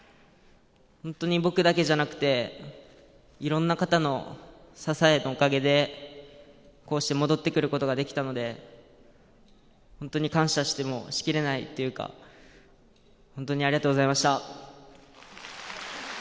本当に僕だけじゃなくて、いろんな方の支えのおかげでこうして戻ってくることができたので、本当に感謝してもしきれないというか、本当にありがとうございました。